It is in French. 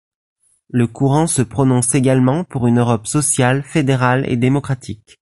Le courant se prononce également pour une Europe sociale, fédérale et démocratique.